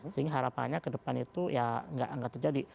sehingga harapannya kedepan itu ya nggak terjadi